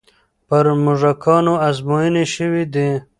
پر موږکانو ازموینې شوې دي.